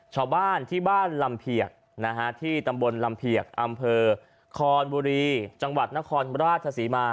ชาวบ้านที่บ้านลำเพียกที่ตำบลลำเพียกอำเภอคอนบุรีจังหวัดนครราชศรีมา